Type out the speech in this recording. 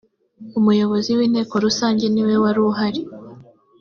umuyobozi w ‘inteko rusange niwe waruhari.